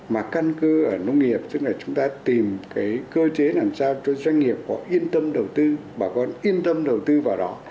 mà căn cư ở nông nghiệp tức là chúng ta tìm cái cơ chế làm sao cho doanh nghiệp có yên tâm đầu tư bà con yên tâm đầu tư vào đó